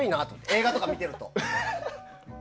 映画とか見ていると。